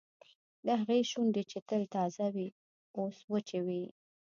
د هغې شونډې چې تل تازه وې اوس وچې وې